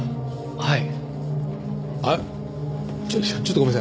はい。